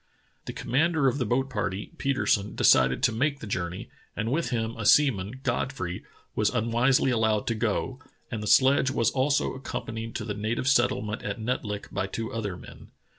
The commander of the boat party, Petersen, decided to make the journey, and with him a seaman, Godfrey, was unwisely allowed to go, and the sledge was also accompanied to the native settlement at Netlik by two other men.